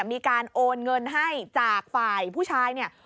มีการโอนเงินให้จากฝ่ายผู้ชายเนี่ย